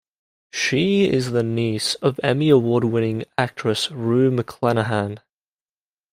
She is the niece of Emmy Award-winning actress Rue McClanahan.